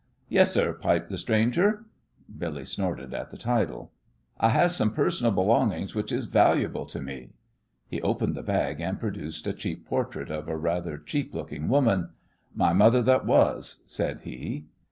"Yes, sir," piped the stranger. Billy snorted at the title. "I has some personal belongin's which is valuable to me." He opened the bag and produced a cheap portrait of a rather cheap looking woman. "My mother that was," said he.